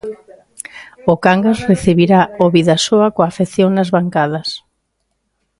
O Cangas recibirá o Bidasoa coa afección nas bancadas.